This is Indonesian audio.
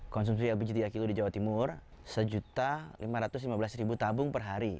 konsumsi lpg tiga kilo di jawa timur satu lima ratus lima belas tabung per hari